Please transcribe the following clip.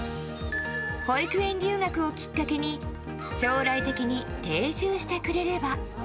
保育園留学をきっかけに将来的に定住してくれれば。